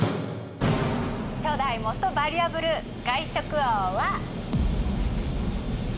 初代モストバリュアブル外食王は。